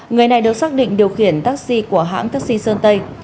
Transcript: người này được xác định điều khiển taxi của hãng taxi sơn tây